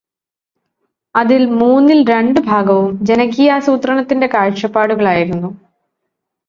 അതിൽ മൂന്നിൽരണ്ടു ഭാഗവും ജനകീയാസൂത്രണത്തിന്റെ കാഴ്ചപ്പാടുകൾ ആയിരുന്നു.